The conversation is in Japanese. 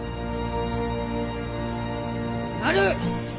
なる！